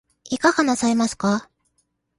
いかがなさいますか